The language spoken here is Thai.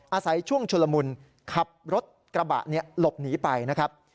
อาศัยช่วงชุลมุนขับรถกระบะหลบหนีไปนะครับ